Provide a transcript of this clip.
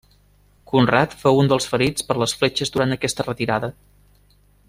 Conrad fou un dels ferits per les fletxes durant aquesta retirada.